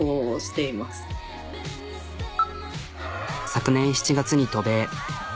昨年７月に渡米。